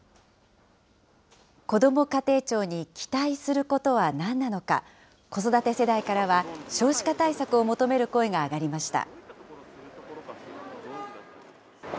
こども家庭庁に期待することはなんなのか、子育て世代からは、少子化対策を求める声が上がりました。